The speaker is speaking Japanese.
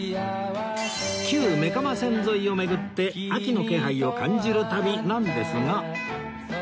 旧目蒲線沿いを巡って秋の気配を感じる旅なんですが